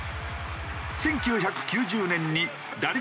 １９９０年に打率